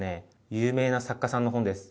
有名な作家さんの本です。